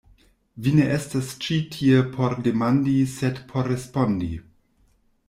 Vi ne estas ĉi tie por demandi sed por respondi.